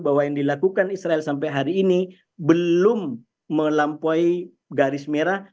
bahwa yang dilakukan israel sampai hari ini belum melampaui garis merah